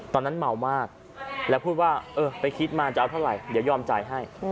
ตอนนั้นเมามากแล้วพูดว่าเออไปคิดมาจะเอาเท่าไหร่เดี๋ยวยอมจ่ายให้